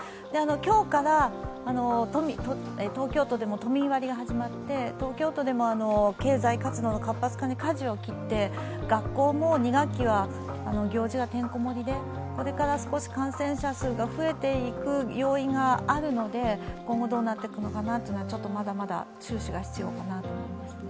今日から東京都でも都民割が始まって東京都でも経済活動の活発化にかじを切って学校も２学期は行事がてんこ盛りでこれから少し感染者数が増えていく要因があるので今後どうなっていくのかは、まだまだ注視が必要だと思います。